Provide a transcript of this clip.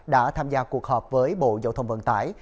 đã tham gia cuộc họp với bộ giao thông vận tải